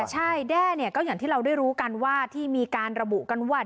ใช่แด้เนี่ยก็อย่างที่เราได้รู้กันว่าที่มีการระบุกันว่า